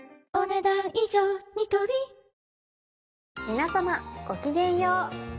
皆様ごきげんよう。